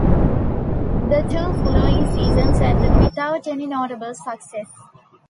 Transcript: The two following seasons ended without any notable success.